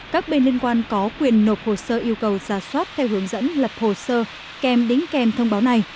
các bên liên quan có quyền nộp hồ sơ yêu cầu giả soát theo hướng dẫn lập hồ sơ kèm đính kèm thông báo này